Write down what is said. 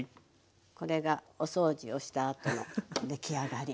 これがお掃除をしたあとの出来上がり。